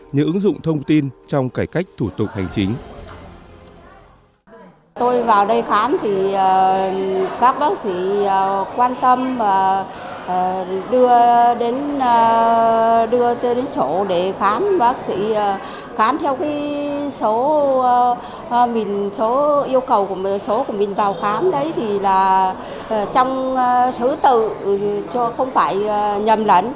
như ứng dụng thông tin trong cải cách thủ tục hành chính